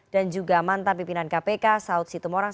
dan juga mantan pimpinan kpk saud situ morang